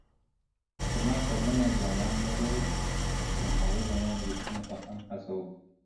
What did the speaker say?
که زما کتابونه ځوانان ولولي نو هغوی به نورو ليکنو ته هم هڅه وکړي ..